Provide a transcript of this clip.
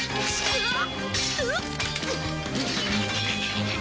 うわっ！